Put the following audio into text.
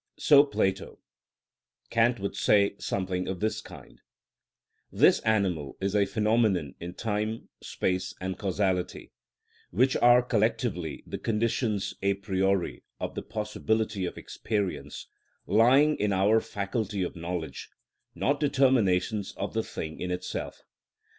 So Plato; Kant would say something of this kind, "This animal is a phenomenon in time, space, and causality, which are collectively the conditions a priori of the possibility of experience, lying in our faculty of knowledge, not determinations of the thing in itself.